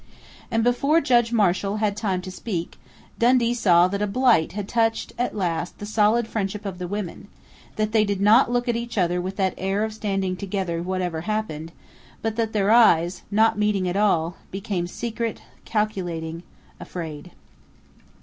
And before Judge Marshall had time to speak, Dundee saw that a blight had touched, at last, the solid friendship of the women; that they did not look at each other with that air of standing together whatever happened, but that their eyes, not meeting at all, became secret, calculating, afraid....